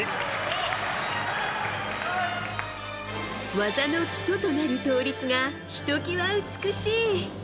技の基礎となる倒立がひときわ美しい。